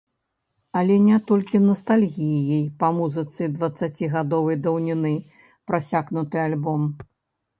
Але не толькі настальгіяй па музыцы дваццацігадовай даўніны прасякнуты альбом.